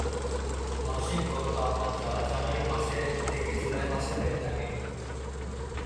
মাসিক গড় তাপমাত্রা জানুয়ারি মাসে থেকে জুলাই মাসে হয়ে থাকে।